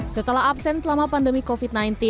setelah absen selama pandemi covid sembilan belas